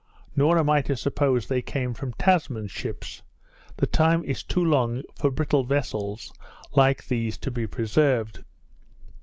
Nor am I to suppose they came from Tasman's ships; the time is too long for brittle vessels like these to be preserved.